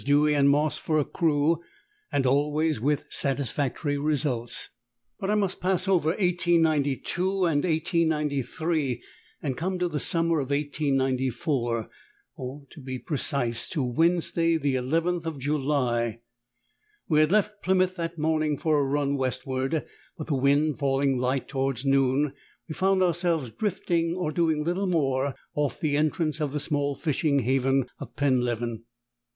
Dewy and Moss for a crew, and always with satisfactory results. But I must pass over 1892 and 1893 and come to the summer of 1894; or, to be precise, to Wednesday, the 11th of July. We had left Plymouth that morning for a run westward; but, the wind falling light towards noon, we found ourselves drifting, or doing little more, off the entrance of the small fishing haven of Penleven.